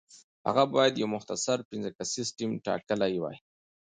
هغه باید یو مختصر پنځه کسیز ټیم ټاکلی وای.